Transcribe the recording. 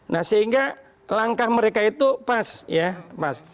nah sehingga langkah mereka itu pas ya mas